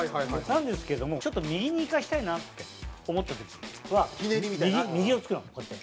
なんですけどもちょっと右に行かせたいなって思った時は右を撞くのこうやって。